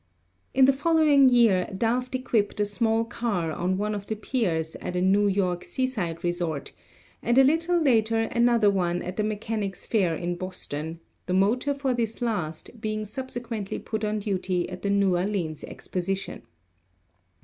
In the following year Daft equipped a small car on one of the piers at a New York seaside resort, and a little 286 ELECTRICITY later another one at the Mechanics' Fair in Boston, the motor for this last being subsequently put on duty at the New Orleans Exposition.